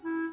ya ya gak